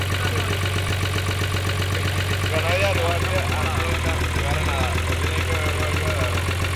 Kanariar uharte handienetan bigarrena da; uhartediko hego-ekialdean dago.